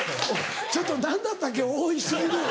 「ちょっと何だったっけ」多過ぎる。